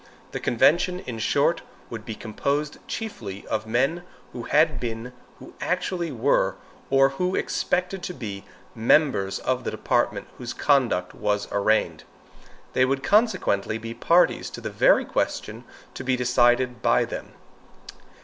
The convention, in short, would be composed chiefly of men who had been, who actually were, or who expected to be, members of the department whose conduct was arraigned. They would consequently be parties to the very question to be decided by them.